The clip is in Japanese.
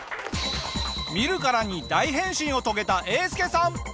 見るからに大変身を遂げたえーすけさん。